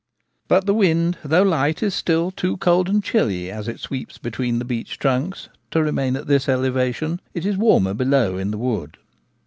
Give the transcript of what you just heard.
But the wind, though light, is still too cold and chilly as it sweeps between the beech trunks to remain at this elevation ; it is warmer below in the wood.